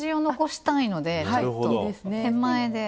手前で。